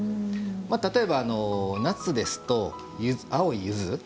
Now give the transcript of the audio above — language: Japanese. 例えば、夏ですと青いゆず。